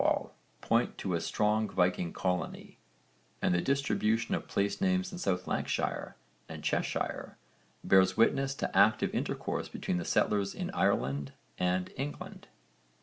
115, note 1) point to a strong Viking colony, and the distribution of place names in South Lancashire and Cheshire bears witness to active intercourse between the settlers in Ireland and England.